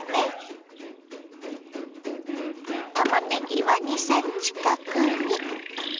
たまねぎは２ｃｍ角に。